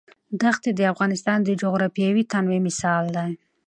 دښتې د افغانستان د جغرافیوي تنوع مثال دی.